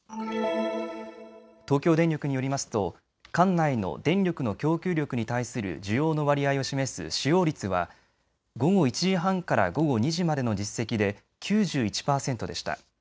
東京電力によりますと管内の電力の供給力に対する需要の割合を示す使用率は午後１時半から午後２時までの実績で９１％でした。